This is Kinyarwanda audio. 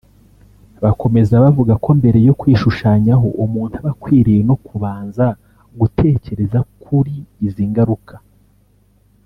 Bakomeza bavuga ko mbere yo kwishushanyaho umuntu aba akwiriye no kubanza gutekereza kuri izi ngaruka